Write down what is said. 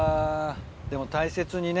でも大切にね